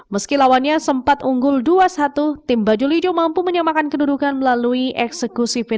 meski lawannya sempat unggul dua satu tim bajul ijo mampu menyamakan kedudukan melalui eksekusi final